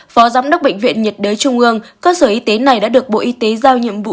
phó giám đốc bệnh viện nhiệt đới trung ương cơ sở y tế này đã được bộ y tế giao nhiệm vụ